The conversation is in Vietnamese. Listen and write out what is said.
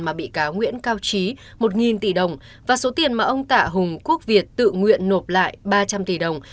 mà bị cáo nguyễn cao trí một tỷ đồng và số tiền mà ông tạ hùng quốc việt tự nguyện nộp lại ba trăm linh tỷ đồng